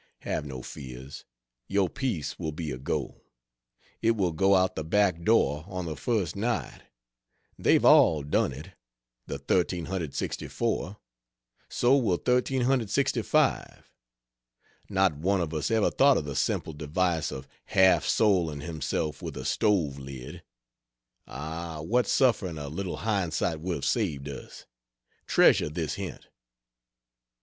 Have no fears. Your piece will be a Go. It will go out the back door on the first night. They've all done it the 1364. So will 1365. Not one of us ever thought of the simple device of half soling himself with a stove lid. Ah, what suffering a little hindsight would have saved us. Treasure this hint.